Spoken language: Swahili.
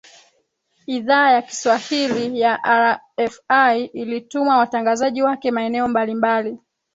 idhaa ya kiswahili ya rfi ilituma watangazaji wake maeneo mbalimbali